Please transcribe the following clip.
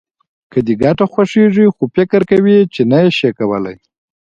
که دې ګټه خوښېږي خو فکر کوې چې نه يې شې کولای.